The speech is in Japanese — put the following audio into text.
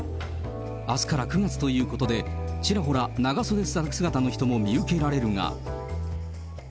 あすから９月ということで、ちらほら長袖姿の人も見受けられるが。